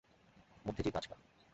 মধ্যে যেই গাছটা।